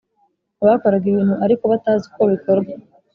bakoraga ibintu ariko batazi uko bikorwa